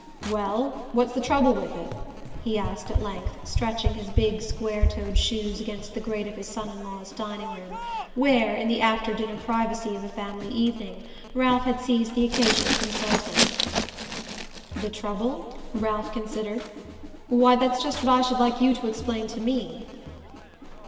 "Well, what's the trouble with it?" he asked at length, stretching his big square toed shoes against the grate of his son in law's dining room, where, in the after dinner privacy of a family evening, Ralph had seized the occasion to consult him. "The trouble?" Ralph considered. "Why, that's just what I should like you to explain to me."